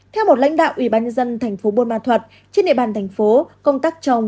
theo một lãnh đạo ubnd tp bôn ma thuật trên địa bàn thành phố công tác trồng